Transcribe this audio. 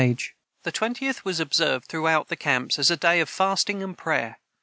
] [Footnote 136: The 20th was observed throughout the camps as a day of fasting and prayer.